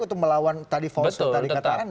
untuk melawan tadi false atau tadi kata anda